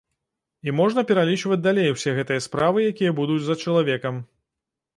І можна пералічваць далей усе гэтыя справы, якія будуць за чалавекам.